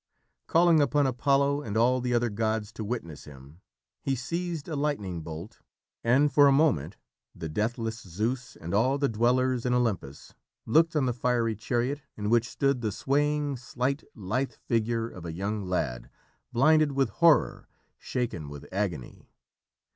Calling upon Apollo and all the other gods to witness him, he seized a lightning bolt, and for a moment the deathless Zeus and all the dwellers in Olympus looked on the fiery chariot in which stood the swaying, slight, lithe figure of a young lad, blinded with horror, shaken with agony.